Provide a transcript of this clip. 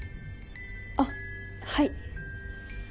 あっはい。